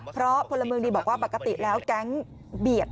เพราะพลเมืองดีบอกว่าปกติแล้วแก๊งเบียด